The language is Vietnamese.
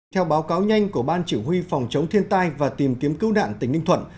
theo báo cáo nhanh của ban chỉ huy phòng chống thiên tai và tìm kiếm cứu nạn tỉnh ninh thuận